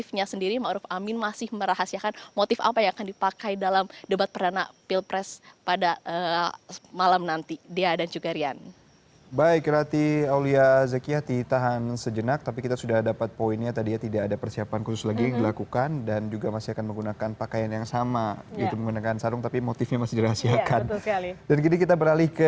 dan ma'ruf amin sendiri terkait dengan busana yang nantinya akan dipakai dalam debat nanti